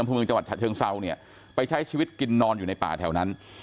เมืองจังหวัดฉะเชิงเซาเนี่ยไปใช้ชีวิตกินนอนอยู่ในป่าแถวนั้น